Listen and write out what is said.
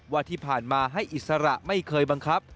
ว่าที่ผ่านมาให้อิสระไม่เคยบังคับ